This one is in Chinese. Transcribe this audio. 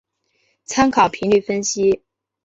参考频率分析。